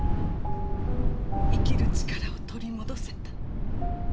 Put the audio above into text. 生きる力を取り戻せた。